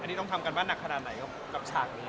อันนี้ต้องทำกันมาหนักขนาดไหนกับฉากนี้